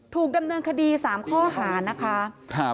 ถูกดำเนินคดี๓ข้อหานะคะ